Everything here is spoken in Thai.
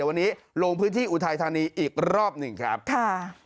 วันนี้ลงพื้นที่อุทัยธานีอีกรอบหนึ่งครับค่ะ